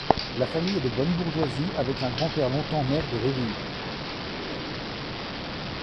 La famille est de bonne bourgeoisie, avec un grand-père longtemps maire de Réville.